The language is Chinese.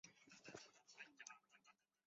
也是司铎级枢机前田万叶的领衔圣堂。